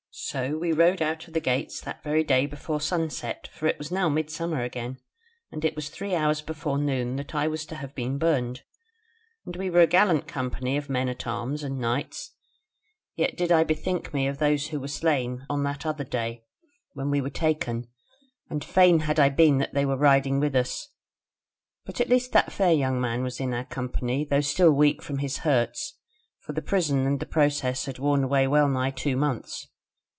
"So we rode out of the gates that very day before sunset; for it was now midsummer again, and it was three hours before noon that I was to have been burned; and we were a gallant company of men at arms and knights; yet did I be think me of those who were slain on that other day when we were taken, and fain had I been that they were riding with us; but at least that fair young man was in our company, though still weak with his hurts: for the prison and the process had worn away wellnigh two months.